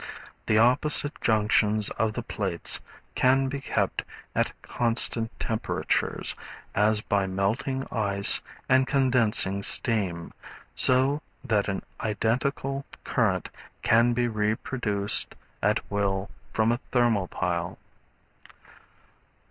The opposite junctions of the plates can be kept at constant temperatures, as by melting ice and condensing steam, so that an identical current can be reproduced at will from a thermopile.